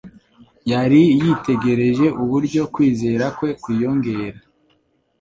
Yari yitegereje uburyo kwizera kwe kwiyongera,